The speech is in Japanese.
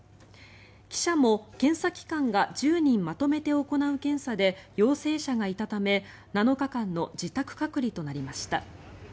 記者も検査機関が１０人まとめて行う検査で陽性者がいたため７日間の自宅隔離となりました。